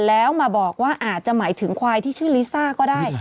แล้วมาบอกว่าอาจจะหมายถึงควายที่ชื่อลิซ่าก็ได้